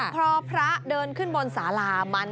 พอพระเดินขึ้นบนสารามัน